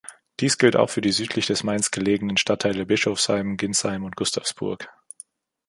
Dies gilt auch für die südlich des Mains gelegenen Stadtteile Bischofsheim, Ginsheim und Gustavsburg.